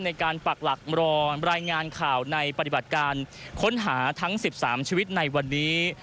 ปักหลักรอรายงานข่าวในปฏิบัติการค้นหาทั้ง๑๓ชีวิตในวันนี้